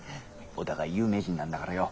お互い有名人なんだからよォ。